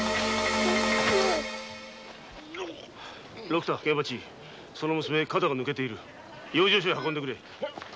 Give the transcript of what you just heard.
六太源八その娘肩が抜けている養生所へ運んでくれ。